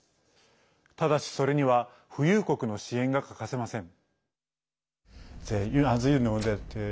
ただし、それには富裕国の支援が欠かせません。